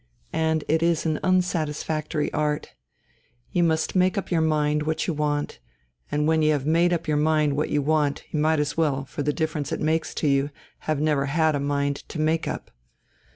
And it is an unsatisfactory art. You must make up your mind what you want, and when you have made up your mind what you want, you might as well, for the difference it makes to you, have never had a mind to make up.